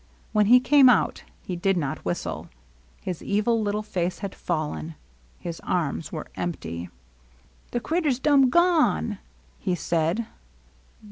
When he came out he did not whistle. His evil little face had fallen. His arms were empty. LOVELINESS. 29 The critter 's dum gone," he said.